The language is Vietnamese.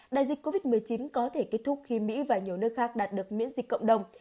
đại dịch covid một mươi chín có thể kết thúc khi mỹ và nhiều nước khác đạt được miễn dịch cộng đồng